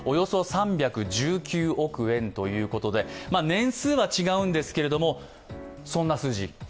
年数は違うんですけれども、そんな数字。